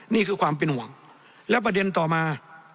นี่คือความเป็นห่วงและประเด็นต่อมา